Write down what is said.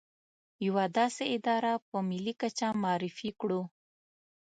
يوه داسې اداره په ملي کچه معرفي کړو.